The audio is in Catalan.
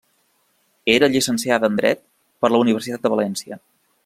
Era llicenciat en Dret per la Universitat de València.